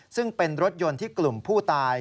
ซึ่งเป็นรถยนต์ที่กลุ่มผู้ตาย